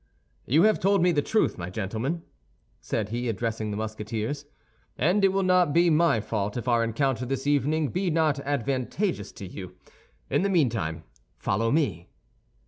"You have told me the truth, my gentlemen," said he, addressing the Musketeers, "and it will not be my fault if our encounter this evening be not advantageous to you. In the meantime, follow me."